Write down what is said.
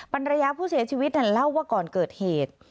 ภรรยาผู้เสียชีวิตเล่าว่าก่อนเกิดเหตุ